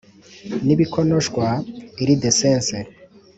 nibikonoshwa iridescence